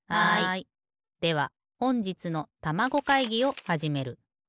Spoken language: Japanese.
ではほんじつのたまご会議をはじめる。